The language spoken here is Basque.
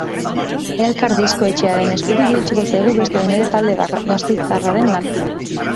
Elkar diskoetxearen eskutik iritsiko zaigu, beste behin ere, talde gasteiztarraren lana.